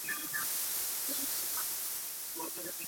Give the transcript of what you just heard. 身后葬于香港跑马地西洋香港坟场。